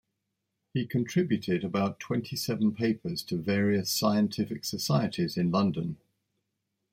He contributed about twenty seven papers to various scientific societies in London.